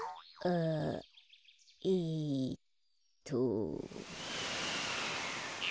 あえっと。